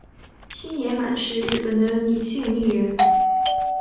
星野满是日本的女性艺人。